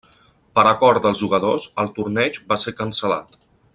Per acord dels jugadors, el torneig va ser cancel·lat.